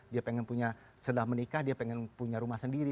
dia sedang menikah dia ingin punya rumah sendiri